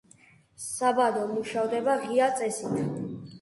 საბადო მუშავდება ღია წესით.